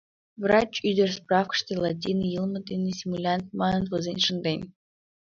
Врач ӱдыр справкыште латин йылме дене симулянт манын возен шынден.